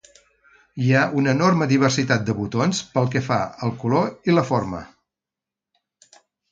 Hi ha una enorme diversitat de botons pel que fa al color i la forma.